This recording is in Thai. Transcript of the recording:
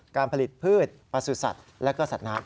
การผลิตพืชประสุทธิ์สัตว์และก็สัตว์น้ำ